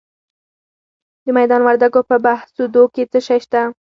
د میدان وردګو په بهسودو کې څه شی شته؟